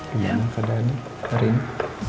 gimana keadaan hari ini